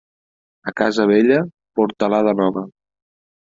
A casa vella, portalada nova.